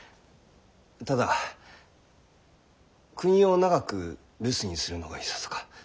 ただ国を長く留守にするのがいささか。